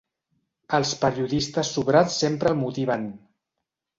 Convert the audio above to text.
Els periodistes sobrats sempre el motiven.